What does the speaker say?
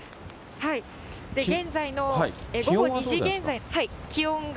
現在の午後２時現在の。